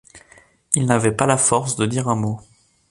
Il n’avait pas la force de dire un mot.